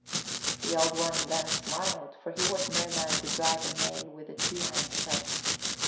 The Old One then smiled, for he was no man to drive a nail with a two hand sledge.